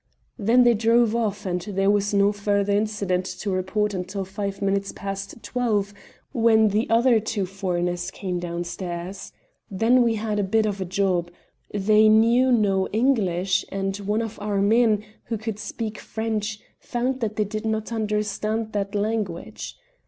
"Then they drove off, and there was no further incident to report until five minutes past twelve, when the other two foreigners came downstairs. Then we had a bit of a job. They knew no English, and one of our men, who could speak French, found that they did not understand that language.